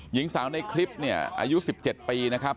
หญิงสาวในคลิปเนี่ยอายุ๑๗ปีนะครับ